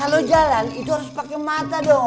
kalau jalan itu harus pakai mata dong